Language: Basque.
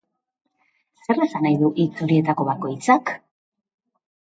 Zer esan nahi du hitz horietako bakoitzak?